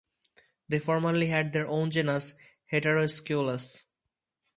They formerly had their own genus, "Heteroscelus".